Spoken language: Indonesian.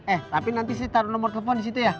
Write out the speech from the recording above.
eh tapi nanti saya taruh nomor telepon disitu ya